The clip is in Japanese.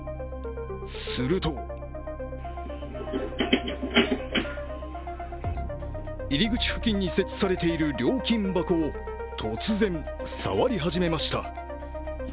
すると入口付近に設置されている料金箱を突然、触り始めました。